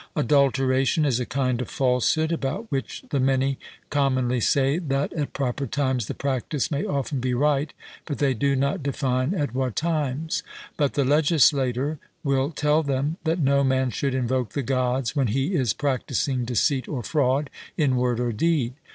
Adulteration is a kind of falsehood about which the many commonly say that at proper times the practice may often be right, but they do not define at what times. But the legislator will tell them, that no man should invoke the Gods when he is practising deceit or fraud, in word or deed.